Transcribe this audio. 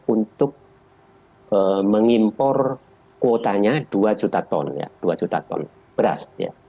untuk mengimpor kuotanya dua juta ton beras